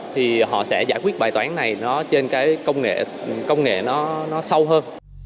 thì họ sẽ giải quyết bài toán này trên cái công nghệ nó sâu hơn